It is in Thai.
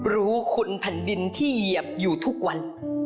รู้คุณแผ่นดินที่เหยียบอยู่ทุกวัน